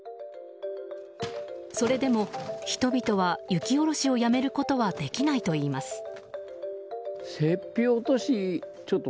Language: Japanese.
それでも、人々は雪下ろしをやめることはできないといいます。